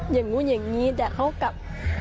อย่างนู้นอย่างนี้แต่เขากลับ